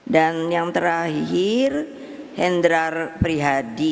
dan yang terakhir hendrar prihadi